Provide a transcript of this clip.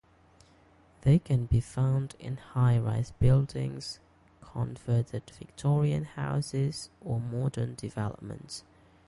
They can be found in high-rise buildings, converted Victorian houses, or modern developments.